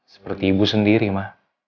seperti ibu sendiri ma